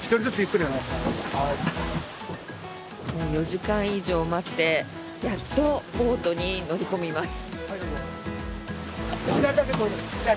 ４時間以上待ってやっとボートに乗り込みます。